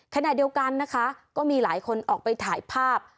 ขณะเดียวกันนะคะก็มีหลายคนออกไปถ่ายภาพ